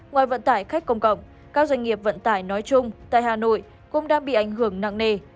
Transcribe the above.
ngoài vận tải khách công cộng các doanh nghiệp vận tải nói chung tại hà nội cũng đã bị ảnh hưởng nặng nề